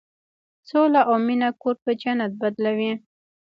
سوله او مینه کور په جنت بدلوي.